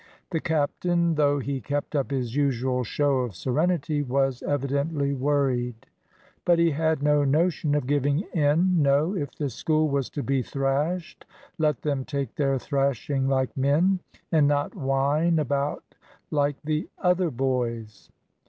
The captain, though he kept up his usual show of serenity, was evidently worried. But he had no notion of giving in. No! If the School was to be thrashed let them take their thrashing like men, and not whine about like the "other boys."